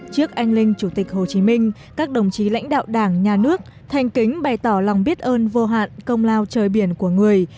trước anh linh chủ tịch hồ chí minh các đồng chí lãnh đạo đảng nhà nước thành kính bày tỏ lòng biết ơn vô hạn công lao trời biển của người